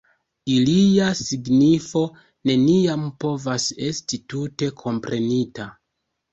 Ilia signifo neniam povas esti tute komprenita.